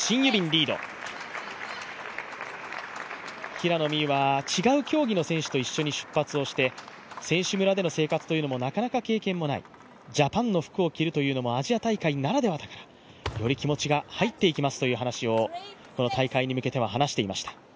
平野美宇は違う競技の選手と一緒に出発をして選手村での生活というのもなかなか経験がない、ジャパンの服を着るというのもアジア大会ならではだからより気持ちが入っていきますという話をこの大会に向けては話していました。